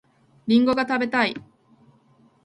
りんごが食べたい